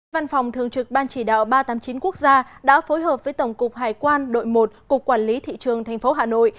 văn phòng thường trực ban chỉ đạo ba trăm tám mươi chín quốc gia đã phối hợp với tổng cục hải quan đội một cục quản lý thị trường tp hà nội